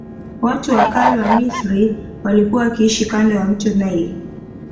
Watu wa kale wa misri walikua wakiishi kando ya mto naili